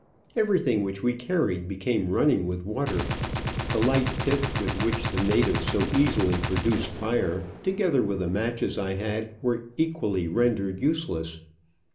Everything which we carried became run ning with water. The light pith with which the natives sO easily produce fire, together with the matches I had, were equally rendered useless.